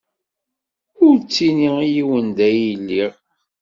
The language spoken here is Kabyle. Ur ttini i yiwen da ay lliɣ.